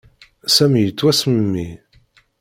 Sami yettwasmemmi.